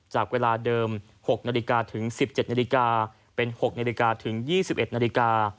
จากเวลาเดิม๖นาฬิกาถึง๑๗นาฬิกาเป็น๖นาฬิกาถึง๒๑นาฬิกา